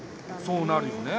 そうなるよね。